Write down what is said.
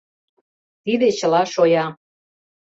— Тиде чыла шоя.